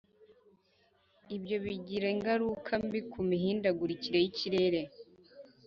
Ibyo bigira ingaruka mbi ku mihindagurikire y ikirere